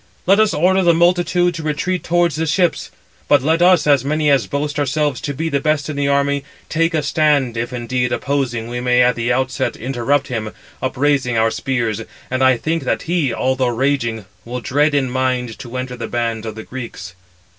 Let us order the multitude to retreat towards the ships. But let us, as many as boast ourselves to be the best in the army, take a stand, if indeed, opposing, we may at the outset interrupt him, upraising our spears; and I think that he, although raging, will dread in mind to enter the band of the Greeks."